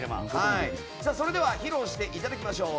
それでは披露していただきましょう。